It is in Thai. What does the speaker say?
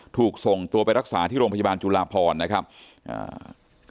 ถูกส่งตัวไปรักษาที่โรงพยาบาลจุลาพรนะครับอ่า